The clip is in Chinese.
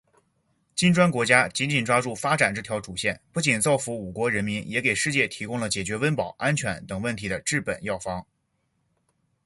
金砖国家紧紧抓住发展这条主线，不仅造福五国人民，也给世界提供了解决温饱、安全等问题的治本药方。